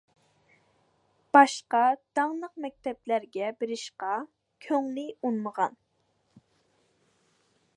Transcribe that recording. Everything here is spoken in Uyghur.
باشقا داڭلىق مەكتەپلەرگە بېرىشقا كۆڭلى ئۇنىمىغان.